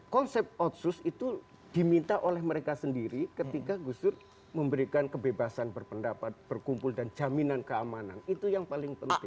konsep otsus itu diminta oleh mereka sendiri ketika gus dur memberikan kebebasan berpendapat berkumpul dan jaminan keamanan itu yang paling penting